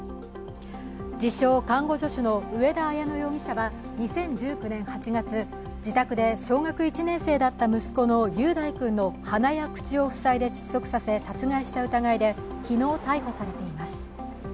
自称・看護助手の上田綾乃容疑者は２０１９年８月、自宅で小学１年生だった息子の雄大君の鼻や口を塞いで窒息させ殺害した疑いで昨日、逮捕されています。